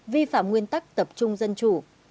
vi phạm nguyên tắc tập trung dân chủ